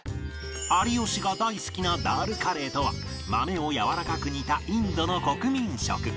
有吉が大好きなダールカレーとは豆をやわらかく煮たインドの国民食